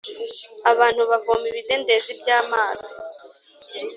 abantu bavoma Ibidendezi by’amazi,